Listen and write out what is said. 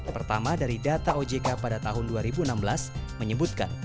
pertama dari data ojk pada tahun dua ribu enam belas menyebutkan